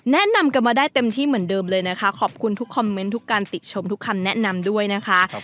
แนะนำกันมาได้เต็มที่เหมือนเดิมเลยนะคะขอบคุณทุกคอมเมนต์ทุกการติดชมทุกคำแนะนำด้วยนะคะ